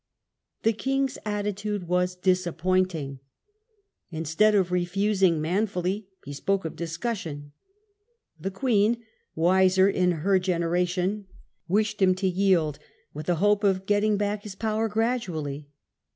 The king's attitude was disappointing. Instead of refusing manfully, he spoke of discussion. The Queen, wiser in her genera tion, wished him to yield, with the hope of getting back his power gradually.